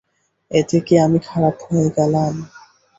এতে কী আমি খারাপ হয়ে গেলাম?